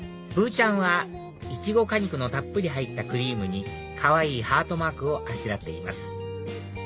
ちゃんはイチゴ果肉のたっぷり入ったクリームにかわいいハートマークをあしらっています